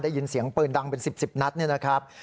ได้ยินเสียงปืนดังเป็น๑๐นัดเนี่ยนะครับ